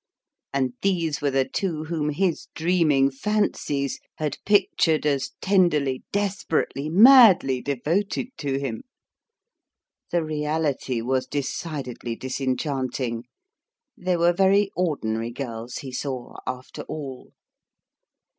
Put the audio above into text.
And these were the two whom his dreaming fancies had pictured as tenderly, desperately, madly devoted to him ! The reality was de 188 tourmalin's ime <EI)er|ties. cidedly disenchanting: they were very ordi nary girls, he saw, after all.